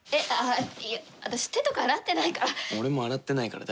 私、手とか洗ってないから。